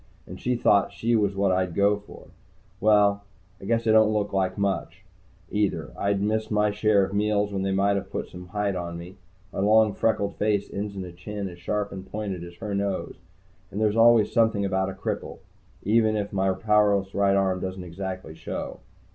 And she thought she was what I'd go for. Well, I guess I don't look like so much, either. I'd missed my share of meals when they might have put some height on me. My long, freckled face ends in a chin as sharp and pointed as her nose. And there's always something about a cripple, even if my powerless right arm doesn't exactly show.